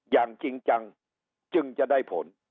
อย่างจริงจังจึงจะได้ผล